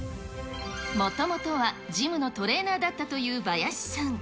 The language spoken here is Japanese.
もともとはジムのトレーナーだったというバヤシさん。